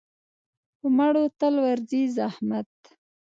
پر مړو تل ورځي زحمت.